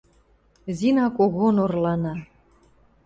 Зина когон орлана.